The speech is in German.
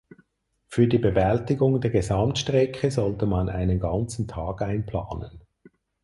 Für die Bewältigung der Gesamtstrecke sollte man einen ganzen Tag einplanen.